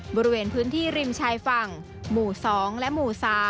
บริเวณพื้นที่ริมชายฝั่งหมู่๒และหมู่๓